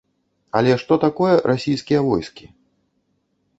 Але што такое расійскія войскі?